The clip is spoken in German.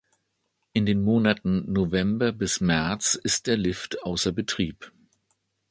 In den Monaten November bis März ist der Lift außer Betrieb.